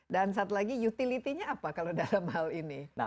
dan satu lagi utility nya apa kalau dalam hal ini